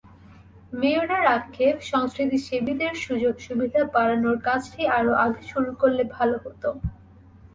মেয়রের আক্ষেপ, সংস্কৃতিসেবীদের সুযোগ-সুবিধা বাড়ানোর কাজটি আরও আগে শুরু করলে ভালো হতো।